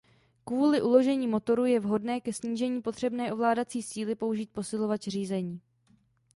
Kvůli uložení motoru je vhodné ke snížení potřebné ovládací síly použít posilovač řízení.